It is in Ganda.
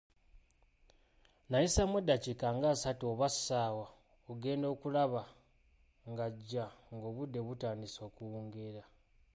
Nayisaamu eddakiika ng'asatu oba ssaawa, ogenda okulaba ng'ajja ng'obudde butandise okuwungeera.